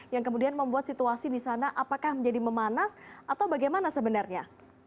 yang kemudian membuat situasi di sana apakah menjadi memanas atau bagaimana sebenarnya